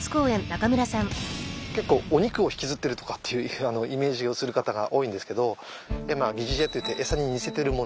結構お肉を引きずってるとかっていうイメージをする方が多いんですけど疑似餌といって餌に似せてるもの。